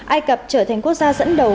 ai cập trở thành quốc gia dẫn đầu